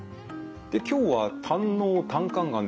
で今日は胆のう・胆管がんです。